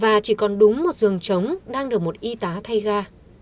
và chỉ còn đúng một giường trống đang được một y tá thay ga